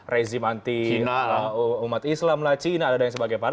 rezim anti umat islam lah cina ada yang sebagai para